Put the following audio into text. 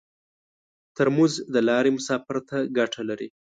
ترموز د لارې مسافر ته ګټه لري.